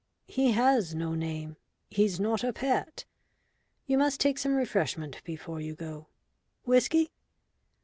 "He has no name. He's not a pet. You must take some refreshment before you go. Whisky?"